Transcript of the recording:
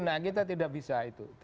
nah kita tidak bisa itu